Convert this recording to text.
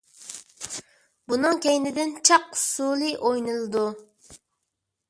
بۇنىڭ كەينىدىن چاق ئۇسسۇلى ئوينىلىدۇ.